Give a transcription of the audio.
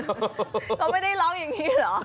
เขาไม่ได้ร้องอย่างนี้เหรอ